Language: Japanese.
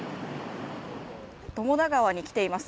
友田川に来ています。